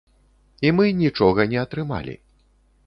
І мы нічога не атрымалі.